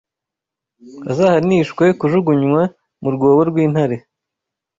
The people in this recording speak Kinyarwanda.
azahanishwe kujugunywa mu rwobo rw’Intare